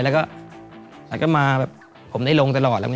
แล้วผมได้ลงตลอด